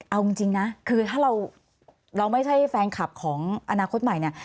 เอาจริงนะคือถ้าเราไม่ใช่แฟนคลับของอนาคตใหม่เนี่ย